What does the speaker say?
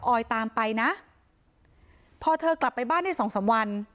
อยตามไปนะพอเธอกลับไปบ้านได้สองสามวัน